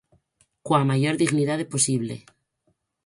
Coa maior dignidade posible.